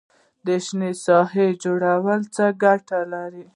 د شنو ساحو جوړول څه ګټه لري؟